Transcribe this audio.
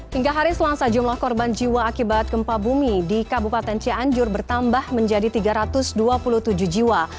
hingga hari selasa jumlah korban jiwa akibat gempa bumi di kabupaten cianjur bertambah menjadi tiga ratus dua puluh tujuh jiwa